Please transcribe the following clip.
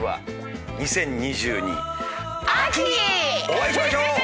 お会いしましょう！